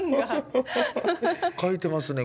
書いてますね。